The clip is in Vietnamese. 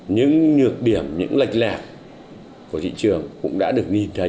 những nhược điểm những lệch lạc của thị trường cũng đã được nhìn thấy